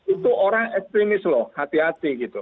itu orang ekstremis loh hati hati gitu